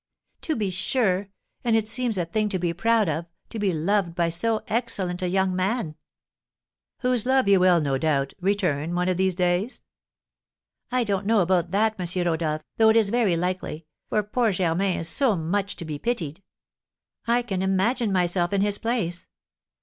"To be sure; and it seems a thing to be proud of, to be loved by so excellent a young man!" "Whose love you will, no doubt, return one of these days?" "I don't know about that, M. Rodolph, though it is very likely, for poor Germain is so much to be pitied. I can imagine myself in his place.